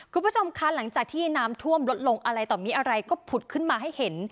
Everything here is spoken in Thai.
คุณผู้ชมคะหลังจากที่น้ำท่วมลดลงอะไรต่อมีอะไรก็ผุดขึ้นมาให้เห็น